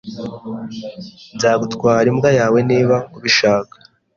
Nzagutwara imbwa yawe niba ubishaka.